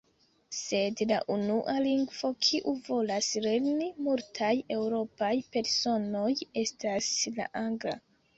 Sed, la unua lingvo kiu volas lerni multaj eŭropaj personoj, estas la angla.